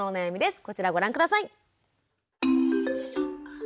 こちらをご覧下さい。